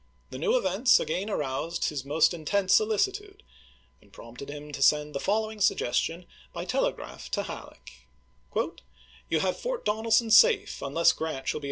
The new events again aroused his most intense solic itude, and prompted him to send the following sug gestion by telegraph to Halleck : FOET DONELSON 199 You have Fort Donelson safe, unless Grant shall be chap.